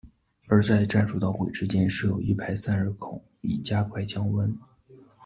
而在战术导轨之间设有一排散热孔以加快降温。